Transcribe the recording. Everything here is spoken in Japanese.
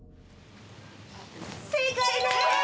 正解でーす！